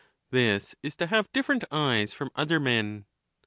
This is to have different eyes from other men.